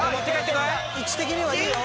位置的にはいいよ！